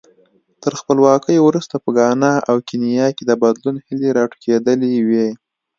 تر خپلواکۍ وروسته په ګانا او کینیا کې د بدلون هیلې راټوکېدلې وې.